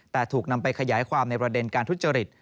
แต่ถูกนำไปขยายความในประเด็นการทุจริต